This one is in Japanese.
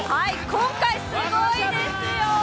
今回すごいですよ！